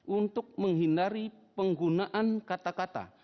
untuk menghindari penggunaan kata kata